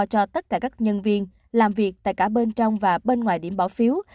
cho tất cả các nhân viên làm việc tại cả bên trong và bên ngoài điểm bỏ phiếu